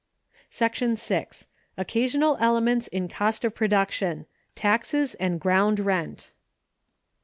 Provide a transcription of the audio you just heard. § 6. Occasional Elements in Cost of Production; taxes and ground rent.